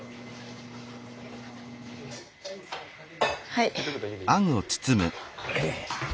はい。